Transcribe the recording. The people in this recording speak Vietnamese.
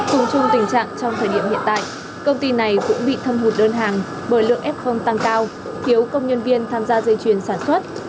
cùng chung tình trạng trong thời điểm hiện tại công ty này cũng bị thâm hụt đơn hàng bởi lượng f tăng cao thiếu công nhân viên tham gia dây chuyền sản xuất